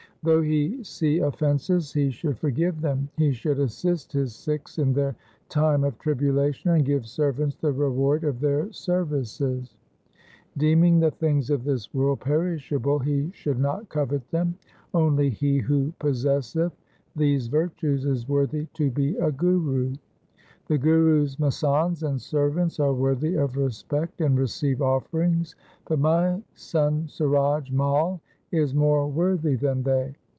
Though he see offences he should forgive them. He should assist his Sikhs in their time of tribulation and give servants the reward of their services. Deeming the things of this world perishable, he should not covet them. Only he who possesseth these virtues is worthy to be a Guru. The Guru's masands and servants are worthy of respect and receive offerings, but my son Suraj Mai is more worthy than they.